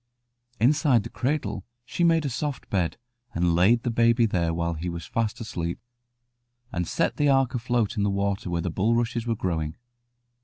Inside the cradle she made a soft bed, and laid the baby there while he was fast asleep, and set the ark afloat in the water where the bulrushes were growing.